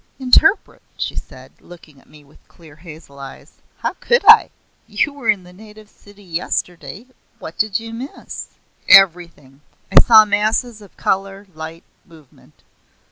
"Interpret?" she said, looking at me with clear hazel eyes; "how could I? You were in the native city yesterday. What did you miss?" "Everything! I saw masses of colour, light, movement.